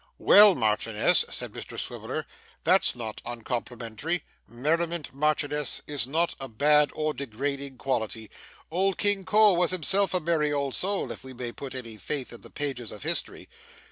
'Well, Marchioness,' said Mr Swiveller, 'that's not uncomplimentary. Merriment, Marchioness, is not a bad or a degrading quality. Old King Cole was himself a merry old soul, if we may put any faith in the pages of history.